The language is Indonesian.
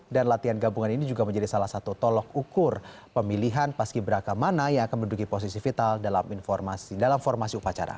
latihan gabungan ini juga menjadi salah satu tolok ukur pemilihan paski beraka mana yang akan menduduki posisi vital dalam formasi upacara